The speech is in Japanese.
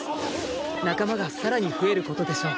仲間がさらに増えることでしょう。